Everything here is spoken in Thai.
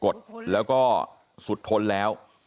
กระดิ่งเสียงเรียกว่าเด็กน้อยจุดประดิ่ง